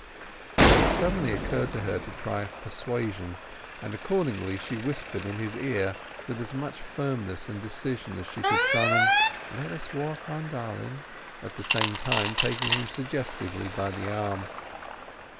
It suddenly occurred to her to try persuasion; and accordingly she whispered in his ear, with as much firmness and decision as she could summon— "Let us walk on, darling," at the same time taking him suggestively by the arm.